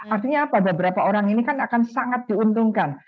artinya apa beberapa orang ini kan akan sangat diuntungkan